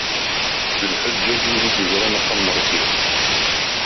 D lḥeǧǧaǧ wid i d-yeẓran axxam n Ṛebbi.